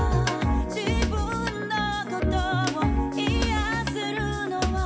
「自分のことを癒せるのは」